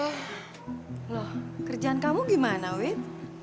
kira kira kerjaan kamu gimana wid